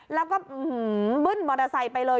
แล้วก็บึ้นมอเตอร์ไซค์ไปเลย